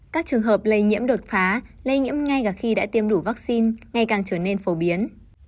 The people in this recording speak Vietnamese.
các trường hợp lây nhiễm đột phá lây nhiễm ngay cả khi đã tiêm đủ vaccine ngày càng trở nên phổ biến